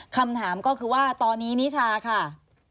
คำถามก็คือว่าตอนนี้นิชาค่ะ